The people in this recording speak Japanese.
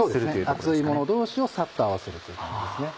熱いもの同士をサッと合わせるという感じですね。